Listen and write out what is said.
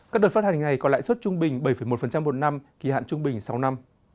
các đợt phát hành này có lãi suất trung bình bảy một một năm kỳ hạn trung bình sáu năm